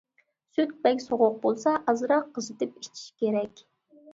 سۈت بەك سوغۇق بولسا ئازراق قىزىتىپ ئىچىش كېرەك.